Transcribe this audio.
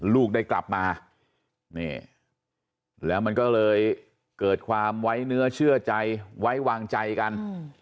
ลูกได้กลับมานี่แล้วมันก็เลยเกิดความไว้เนื้อเชื่อใจไว้วางใจกัน